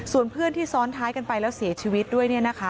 ส่วนเพื่อนที่ซ้อนท้ายกันไปแล้วเสียชีวิตด้วย